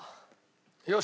よし。